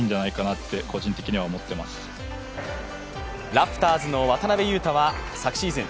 ラプターズの渡邊雄太は昨シーズン